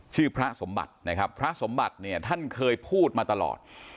พระสมบัตินะครับพระสมบัติเนี่ยท่านเคยพูดมาตลอด